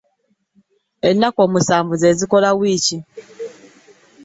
Ennaku musanvu zezikola wiiki .